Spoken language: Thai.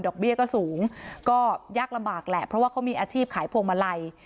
เบี้ยก็สูงก็ยากลำบากแหละเพราะว่าเขามีอาชีพขายพวงมาลัย